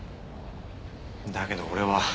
だけど俺は。